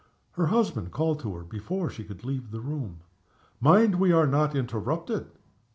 Her husband called to her before she could leave the room. "Mind we are not interrupted!"